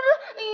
aduh sakit tau